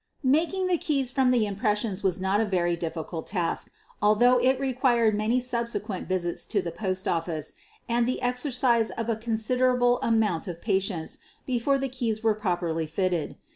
Making the keys from the impressions was not a very difficult task, although it required many sub sequent visits to the post office and the exercise of a considerable amount of patience before the keys 176 SOPHIE LYONS were properly fitted.